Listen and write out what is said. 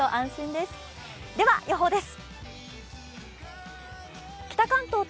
では、予報です。